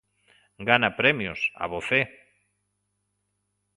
Gana premios, abofé.